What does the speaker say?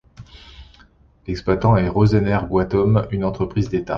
L'exploitant est Rosenergoatom, une entreprise d'état.